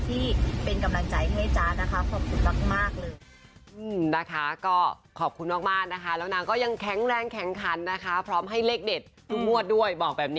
ที่เป็นกำลังใจให้จ๊ะนะคะขอบคุณมากเลย